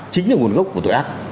chính là nguồn gốc của tội ác